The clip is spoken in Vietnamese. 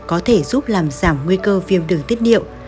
có thể giúp làm giảm nguy cơ viêm đường tiết niệu